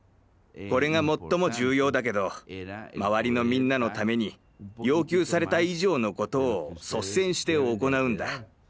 これが最も重要だけど周りのみんなのために要求された以上のことを率先して行うんだ。